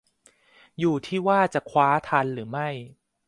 อยู่ที่ว่าจะคว้าทันหรือไม่